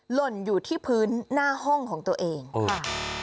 หล่นอยู่ที่พื้นหน้าห้องของตัวเองค่ะ